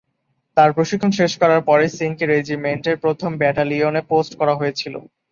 তার প্রশিক্ষণ শেষ করার পরে সিংকে রেজিমেন্টের প্রথম ব্যাটালিয়নে পোস্ট করা হয়েছিল।